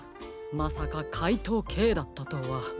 まさかかいとうＫだったとは。